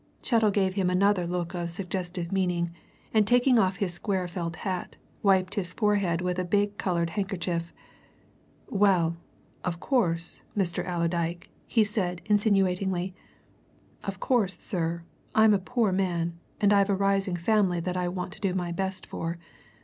Chettle gave him another look of suggestive meaning, and taking off his square felt hat, wiped his forehead with a big coloured handkerchief. "Well, of course, Mr. Allerdyke," he said insinuatingly. "Of course, sir, I'm a poor man, and I've a rising family that I want to do my best for.